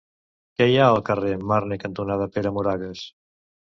Què hi ha al carrer Marne cantonada Pere Moragues?